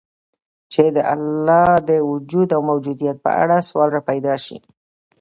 چي د الله د وجود او موجودیت په اړه سوال راته پیدا سي